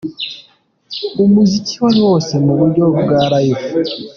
Umuziki wari wose mu buryo bwa "Live".